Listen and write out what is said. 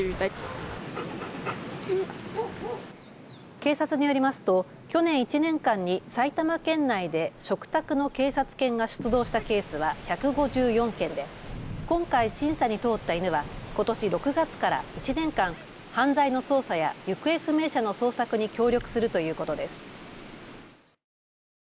警察によりますと去年１年間に埼玉県内で嘱託の警察犬が出動したケースは１５４件で今回審査に通った犬はことし６月から１年間、犯罪の捜査や行方不明者の捜索に協力するということです。